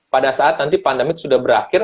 pada saat nanti pandemi sudah berakhir